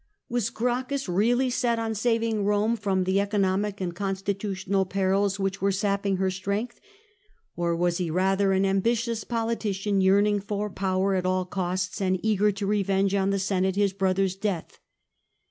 Was Gracchus really set on saving Rome from the economic and constitutional perils which were sapping her strength ? Or was he rather an ambitious politician yearning for power at all costs, and eager to revenge on the Senate Ms brother's death?